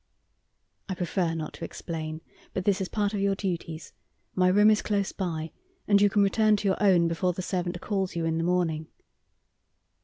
"I prefer not to explain. But this is part of your duties. My room is close by, and you can return to your own before the servant calls you in the morning."